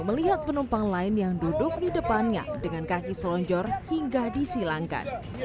melihat penumpang lain yang duduk di depannya dengan kaki selonjor hingga disilangkan